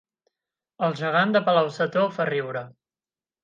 El gegant de Palau-sator fa riure